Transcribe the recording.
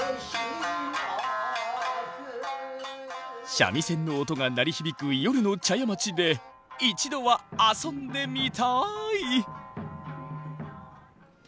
三味線の音が鳴り響く夜の茶屋町で一度は遊んでみたい！